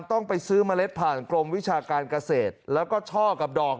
ต้องไปซื้อเมล็ดผ่านกรมวิชาการเกษตรแล้วก็ช่อกับดอก